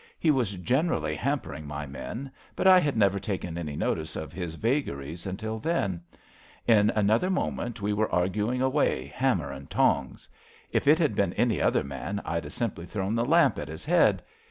He was generally hampering my men, but I had never taken any notice of his vagaries till then. In another minute we were arguing away, hammer and tongs. If it had been any other man I'd 'a' simply thrown the lamp at his head.